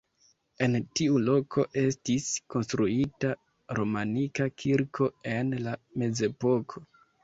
En tiu loko estis konstruita romanika kirko en la mezepoko.